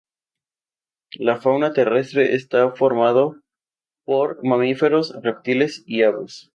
La fauna terrestre está formado por mamíferos, reptiles y aves.